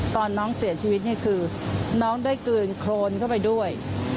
ตอนน้องเสียชีวิตนี่คือน้องได้กลืนโครนเข้าไปด้วย